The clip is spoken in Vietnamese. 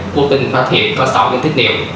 vô tình phát hiện con sọ đường tích niệm